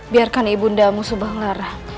biarkan ibu nda musuh bahngara